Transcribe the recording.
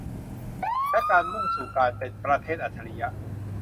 และการมุ่งสู่การเป็นประเทศอัจฉริยะ